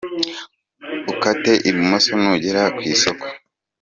Ukate ibumoso n'ugera ku isoko.